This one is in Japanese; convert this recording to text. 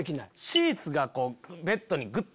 シーツがベッドにぐっ！